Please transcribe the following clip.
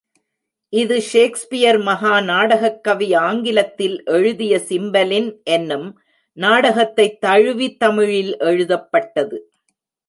இது ஷேக்ஸ்பியர் மகா நாடகக் கவி ஆங்கிலத்தில் எழுதிய சிம்பலின் என்னும் நாடகத்தைத் தழுவித் தமிழில் எழுதப்பட்டது.